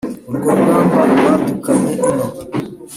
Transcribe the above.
urwo rugamba badukanye ino